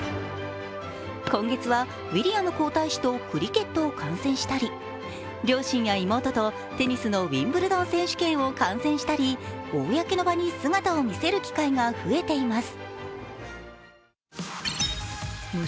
今月はウィリアム皇太子とクリケットを観戦したり、両親や妹とテニスのウィンブルドン選手権を観戦したり公の場に姿を見せる機会が増えています。